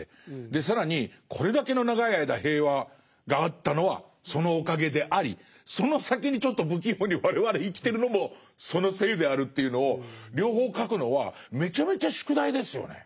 更にこれだけの長い間平和があったのはそのおかげでありその先にちょっと不器用に我々生きてるのもそのせいであるというのを両方書くのはめちゃめちゃ宿題ですよね。